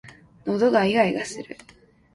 喉がいがいがする